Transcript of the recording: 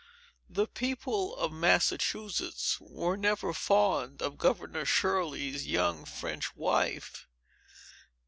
The people of Massachusetts were never fond of Governor Shirley's young French wife.